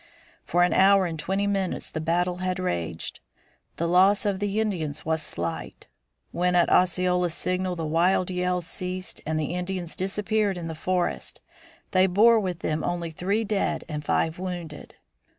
For an hour and twenty minutes the battle had raged. The loss of the Indians was slight. When at Osceola's signal the wild yells ceased and the Indians disappeared in the forest, they bore with them only three dead and five wounded.